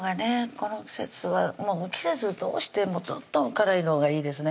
この季節は季節通してずっと辛いのがいいですね